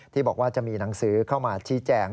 ที่บอกว่าจะมีหนังสือเข้ามาชี้แจง